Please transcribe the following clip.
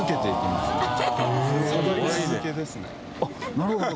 なるほど。